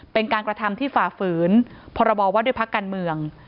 เป็นการกระทำที่ฝ่าฝืนพรบว่าด้วยพักการเมือง